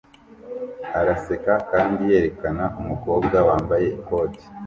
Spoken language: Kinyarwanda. araseka kandi yerekana umukobwa wambaye ikoti